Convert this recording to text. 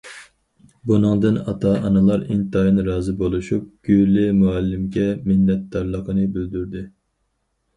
بۇنىڭدىن ئاتا- ئانىلار ئىنتايىن رازى بولۇشۇپ، گۈلى مۇئەللىمگە مىننەتدارلىقىنى بىلدۈردى.